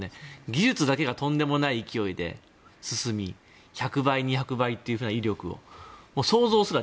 技術だけがとんでもない勢いで進み１００倍、２００倍という威力。